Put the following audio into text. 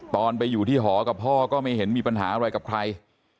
ตอนไปอยู่ที่หอกับพ่อก็ไม่เห็นมีปัญหาอะไรกับใคร